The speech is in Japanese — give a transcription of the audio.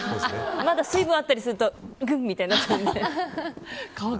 まだ水分あったりするとグン！みたいな。